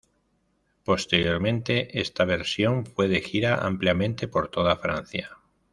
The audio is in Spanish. Posteriormente esta versión fue de gira ampliamente por toda Francia.